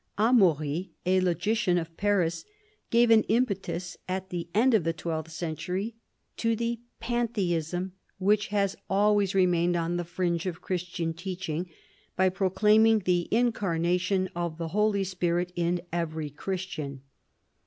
Amaury, a logician of Paris, gave an impetus at the end of the twelfth century to the Pantheism which has always remained on the fringe of Christian teaching, by proclaiming the incarnation of the Holy Spirit in every Christian.